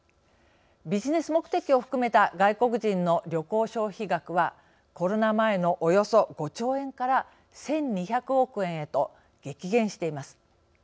ビジネス目的を含めた外国人の旅行消費額はコロナ前のおよそ５兆円から１２００億円へと激減しています。